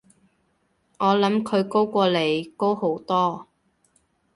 我諗佢高過你，高好多